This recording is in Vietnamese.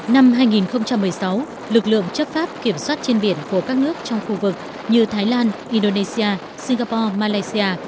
năm hai nghìn một mươi sáu lực lượng chấp pháp kiểm soát trên biển của các nước trong khu vực như thái lan indonesia singapore malaysia